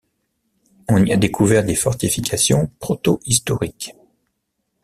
On y a découvert des fortifications protohistoriques.